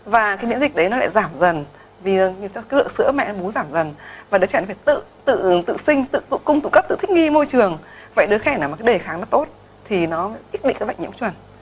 và cái miễn dịch đấy nó lại giảm dần vì cái lượng sữa mẹ bú giảm dần và đứa trẻ nó phải tự sinh tự cung tự cấp tự thích nghi môi trường vậy đứa khẻ nào mà đề kháng nó tốt thì nó ít bị cái bệnh nhiễm chuẩn